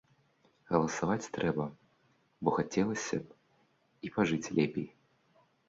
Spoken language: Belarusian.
Галасаваць трэба, бо хацелася б і пажыць лепей.